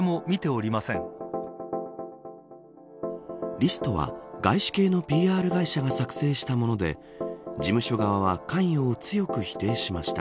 リストは外資系のＰＲ会社が作成したもので事務所側は関与を強く否定しました。